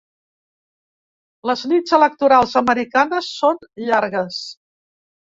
Les nits electorals americanes són llargues.